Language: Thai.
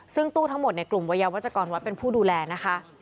ซึ่งตู้ทั้งหมดในกลุ่มวัยยาวัชกรวัดเป็นผู้ดูแลนะคะ